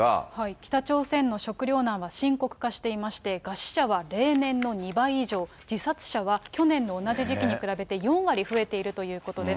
北朝鮮の食料難は深刻化していまして、餓死者が例年の２倍以上、自殺者は去年の同じ時期に比べて４割増えているということです。